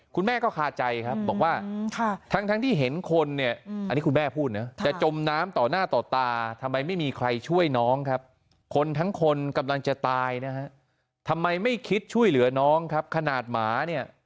คุณแม่เสียใจมากนะครับถ้าเกิดว่ามีคนโทรศัพท์แจ้งอย่างน้อยที่สุดเนี่ย